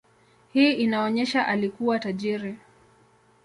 Hii inaonyesha alikuwa tajiri.